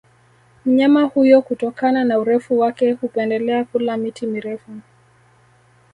Mnyama huyo kutokana na urefu wake hupendelea kula miti mirefu